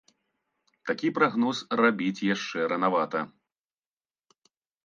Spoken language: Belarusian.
Такі прагноз рабіць яшчэ ранавата.